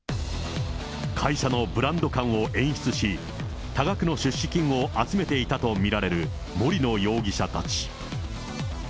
会社のブランド感を演出し、多額の出資金を集めていたと見られる森野容疑者たち。